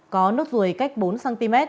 có nốt rùi cách bốn cm